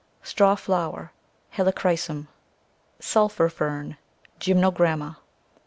Straw Flower, C< Helichrysum. Sulphur Fern, CC Gytnnogramma.